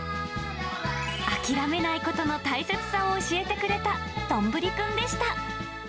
諦めないことの大切さを教えてくれたどんぶりくんでした。